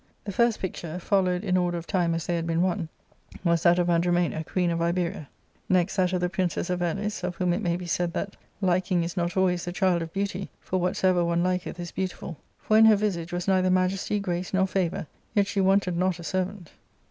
The first picture, followed in order of time as they had been won, was that of Andro , mana, queen of Iberia ; next that of the Princess of Elis, of whom it may be said that "liking is not always the child of beauty, for whatsoever one liketh is beautiful ;" for in her visage was neither majesty, grace, nor favour ; yet she wanted not a servant [lover].